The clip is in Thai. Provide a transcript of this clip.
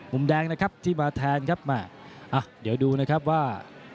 มุมแดงนะครับที่มาแทนครับแม่อ่ะเดี๋ยวดูนะครับว่า